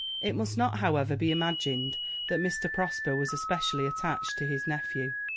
It must not, however, be imagined that Mr. Prosper was especially attached to his nephew.